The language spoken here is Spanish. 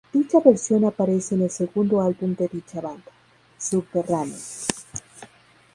Dicha versión aparece en el segundo álbum de dicha banda, "Subterranean".